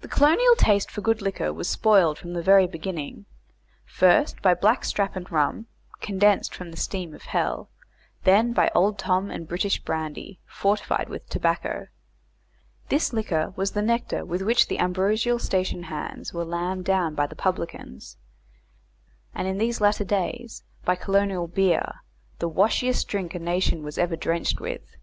The colonial taste for good liquor was spoiled from the very beginning, first by black strap and rum, condensed from the steam of hell, then by Old Tom and British brandy, fortified with tobacco this liquor was the nectar with which the ambrosial station hands were lambed down by the publicans and in these latter days by colonial beer, the washiest drink a nation was ever drenched with.